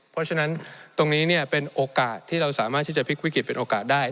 เพราะฉะนั้นตรงนี้เป็นโอกาสที่เราสามารถที่จะพลิกวิกฤตเป็นโอกาสได้